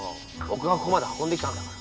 僕がここまで運んできたんだから。